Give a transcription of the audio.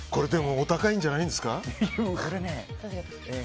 お高いんじゃないですか？